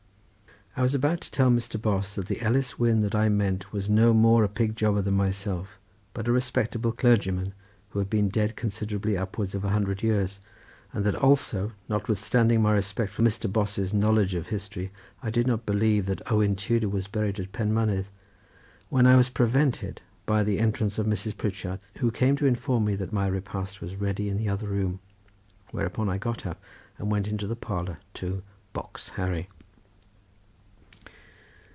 I was about to tell Mr. Bos that the Ellis Wynn that I meant was no more a pig jobber than myself, but a respectable clergyman, who had been dead considerably upwards of a hundred years, and that also, notwithstanding my respect for Mr. Bos's knowledge of history, I did not believe that Owen Tudor was buried at Penmynnydd, when I was prevented by the entrance of Mrs. Pritchard, who came to inform me that my repast was ready in the other room, whereupon I got up and went into the parlour to "box Harry."